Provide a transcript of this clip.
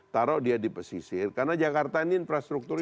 taruh dia di pesisir karena jakarta ini infrastrukturnya